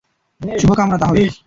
শুভ কামনা, তাহলে!